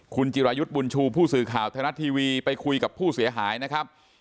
คุณจิรายุทธ์บุญชูผู้สื่อข่าวไทยรัฐทีวีไปคุยกับผู้เสียหายนะครับ